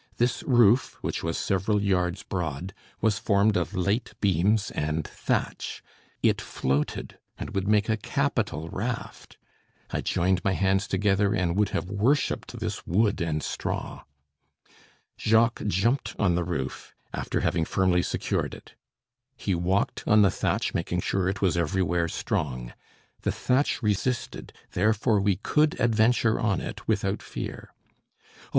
This roof, which was several yards broad, was formed of light beams and thatch; it floated, and would make a capital raft, I joined my hands together and would have worshipped this wood and straw. Jacques jumped on the roof, after having firmly secured it. He walked on the thatch, making sure it was everywhere strong. The thatch resisted; therefore we could adventure on it without fear. "Oh!